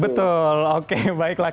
betul oke baiklah